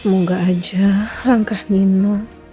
semoga aja langkah nino